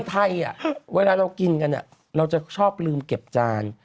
ไทยเวลาเรากินกันเราจะชอบลืมเก็บจาน